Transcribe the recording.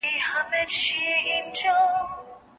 ګوندي تحلیلونه باید دقیق وي.